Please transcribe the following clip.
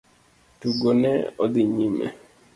Tugo ne odhi nyime.